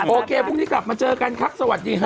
โอเคพรุ่งนี้กลับมาเจอกันครับสวัสดีฮะ